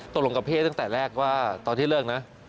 ตกลงกับพี่ตั้งแต่แรกว่าตอนที่เลิกนะ